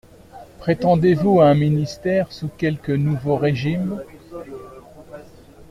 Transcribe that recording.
Prétendez-vous à un ministère sous quelque nouveau régime?